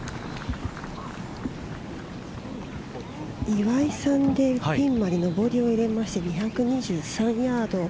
岩井さんでピンまで上りを入れまして２２３ヤード。